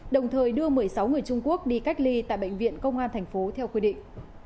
đồng thời đưa một mươi sáu người trung quốc đi cách ly tại bệnh viện công an thành phố theo quy định